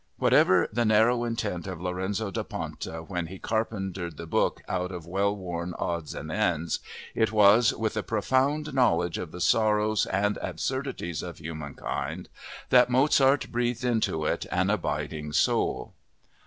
Whatever the narrow intent of Lorenzo da Ponte, when he carpentered the book out of well worn odds and ends, it was with a profound knowledge of the sorrows and absurdities of humankind that Mozart breathed into it an abiding soul.